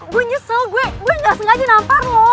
gue nyesel gue gak sengaja nampar lo